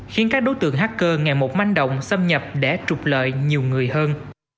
khiến các đối tượng hacker ngày một manh động xâm nhập để trục lợi nhiều người hơn